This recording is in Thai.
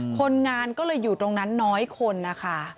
คนงานก็เลยอยู่ตรงนั้นน้อยคนนะคะ